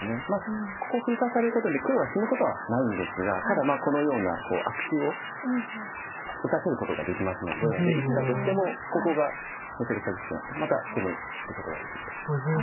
ここ封鎖されることによって黒が死ぬことはないんですがただこのような悪手を打たせることができますので生きたとしてもここがめちゃくちゃ薄くなってまた攻めることができると。